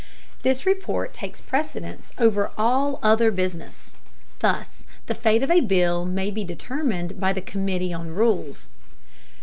This report takes precedence over all other business. Thus the fate of a bill may be determined by the committee on rules.